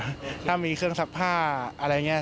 ถ้ามีเครื่องซักผ้าอะไรอย่างนี้